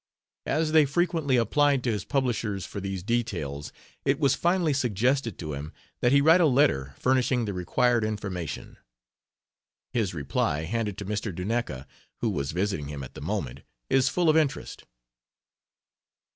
As they frequently applied to his publishers for these details it was finally suggested to him that he write a letter furnishing the required information. His reply, handed to Mr. Duneka, who was visiting him at the moment, is full of interest.